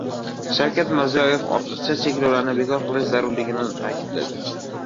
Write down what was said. Shavkat Mirziyoyev ortiqcha cheklovlarni bekor qilish zarurligini ta’kidladi